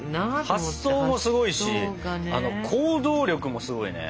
発想もすごいしあの行動力もすごいね。